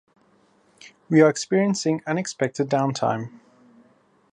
We are experiencing unexpected downtime.